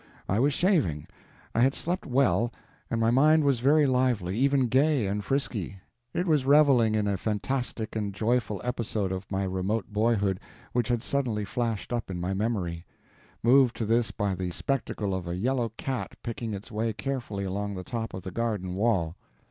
I was shaving. I had slept well, and my mind was very lively, even gay and frisky. It was reveling in a fantastic and joyful episode of my remote boyhood which had suddenly flashed up in my memory—moved to this by the spectacle of a yellow cat picking its way carefully along the top of the garden wall.